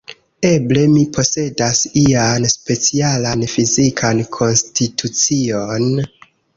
Eble, mi posedas ian specialan fizikan konstitucion?